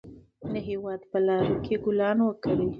د هېواد په لارو کې ګلان وکرئ.